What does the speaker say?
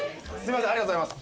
ありがとうございます。